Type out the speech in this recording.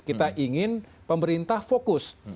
kita ingin pemerintah fokus